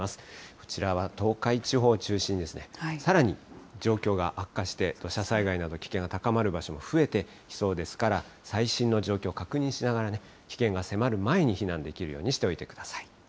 こちらは東海地方を中心にですね、さらに状況が悪化して、土砂災害など、危険が高まる場所が増えてきそうですから、最新の状況、確認しながらね、危険が迫る前に避難できるようにしておいてください。